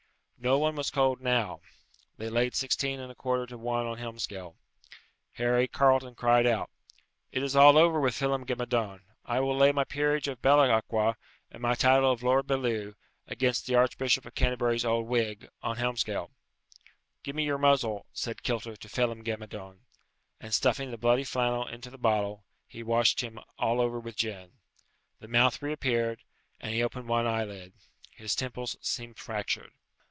No one was cold now. They laid sixteen and a quarter to one on Helmsgail. Harry Carleton cried out, "It is all over with Phelem ghe Madone. I will lay my peerage of Bella aqua, and my title of Lord Bellew, against the Archbishop of Canterbury's old wig, on Helmsgail." "Give me your muzzle," said Kilter to Phelem ghe Madone. And stuffing the bloody flannel into the bottle, he washed him all over with gin. The mouth reappeared, and he opened one eyelid. His temples seemed fractured.